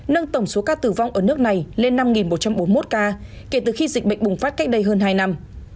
nâng tổng số ca tử vong ở nước này lên năm một trăm bốn mươi một ca kể từ khi dịch bệnh bùng phát cách đây hơn hai năm